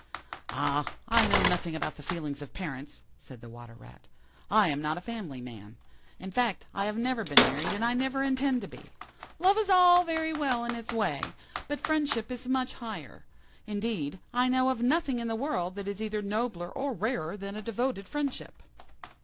"Ah! I know nothing about the feelings of parents," said the Water rat; "I am not a family man. In fact, I have never been married, and I never intend to be. Love is all very well in its way, but friendship is much higher. Indeed, I know of nothing in the world that is either nobler or rarer than a devoted friendship."